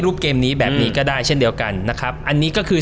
เกมนี้แบบนี้ก็ได้เช่นเดียวกันนะครับอันนี้ก็คือ